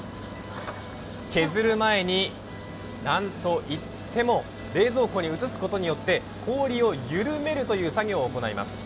削る前になんといっても冷蔵庫に移すことによって氷を緩めるという作業を行います。